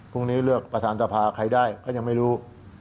พรุ่งนี้เลือกประธานสภาใครได้ก็ยังไม่รู้